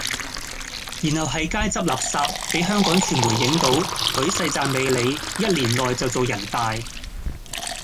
然後係街執垃圾比香港傳媒影到，舉世讚美你，一年內就做人大。